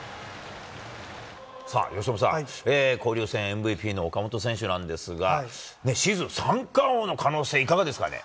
さあ、由伸さん、交流戦ＭＶＰの岡本選手なんですが、シーズン三冠王の可能性、いかがですかね。